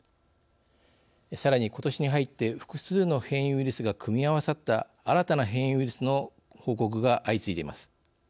さらに、ことしに入って複数の変異ウイルスが組み合わさった新たな変異ウイルスの報告が相次いでいます。